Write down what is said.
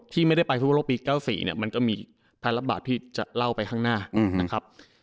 ที่ไม่ได้ไปฟุตบอลโลกปี๙๔มันก็มีแพ้รับบาปที่จะเล่าไปข้างหน้า